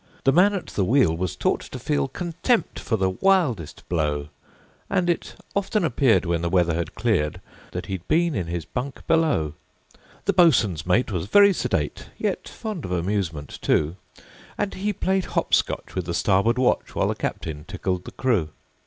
The man at the wheel was taught to feel Contempt for the wildest blow, And it often appeared, when the weather had cleared, That he'd been in his bunk below. The boatswain's mate was very sedate, Yet fond of amusement, too; And he played hop scotch with the starboard watch, While the captain tickled the crew.